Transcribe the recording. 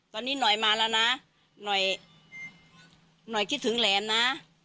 ตอนนี้หน่อยมาแล้วนะหน่อยหน่อยคิดถึงแหลนนะ